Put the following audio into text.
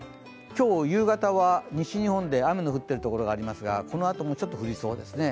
今日、夕方は西日本で雨が降っているところがありますがこのあともちょっと降りそうですね。